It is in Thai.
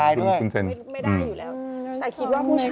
ไม่ได้อยู่แล้วแต่คิดว่าผู้ชาย